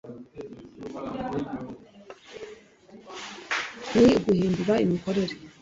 ni uguhindura imikorere